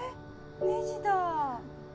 ネジだ。